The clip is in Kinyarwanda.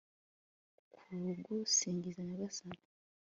kugusingiza nyagasani